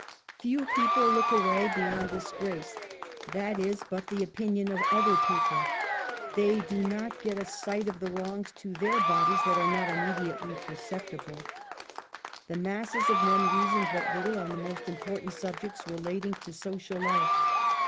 Few people look away beyond dis grace, that is but the opinion of other people ; they do not get a sight of the wrongs to their bodies that are not immediately perceptible. The masses of men reason but little on the most important subjects relating to social life.